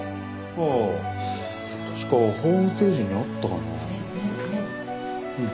あ確かホームページにあったかなぁ。